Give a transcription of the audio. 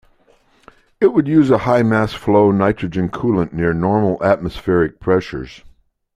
It would use a high mass-flow nitrogen coolant near normal atmospheric pressures.